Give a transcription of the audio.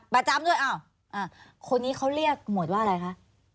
ประจำด้วยอ้าวคนนี้เขาเรียกหมวดว่าอะไรคะ